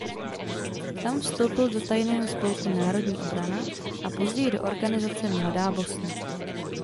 Tam vstoupil do tajného spolku "Národní obrana" a později do organizace "Mladá Bosna".